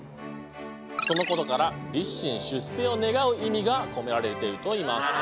そのことから立身出世を願う意味が込められてるといいます。